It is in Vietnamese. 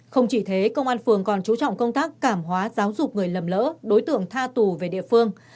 không chỉ thế công an phường còn chú trọng công tác cảm hóa giáo dục người lầm lỡ đối tượng tha tù về địa phương